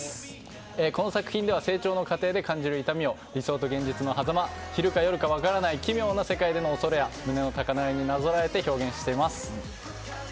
この作品では成長の過程で感じる痛みを理想と現実のはざま昼か夜か分からない奇妙な世界での恐れや胸の高鳴りになぞらえて表現しています。